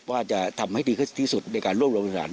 ว่าจะทำให้ดีที่สุดในการรวมรวมสรรค์